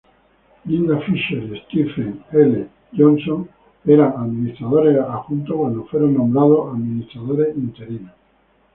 Linda Fisher y Stephen L. Johnson eran Administradores Adjuntos cuando fueron nombrados Administradores Interinos.